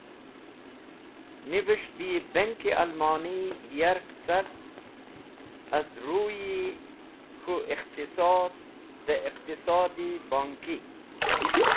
Nives̃h dẽ yi Bonk-e Almoni yark cart az ruy-e k̃hũ ikhtisos dẽ iqtisod-e Bonki.